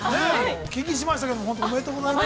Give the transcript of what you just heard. お聞きしましたけど、本当おめでとうございます。